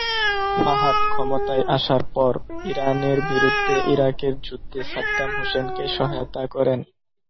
ফাহাদ ক্ষমতায় আসার পর ইরানের বিরুদ্ধে ইরাকের যুদ্ধে সাদ্দাম হোসেনকে সহায়তা করেন।